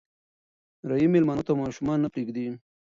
رحیم مېلمنو ته ماشومان نه پرېږدي.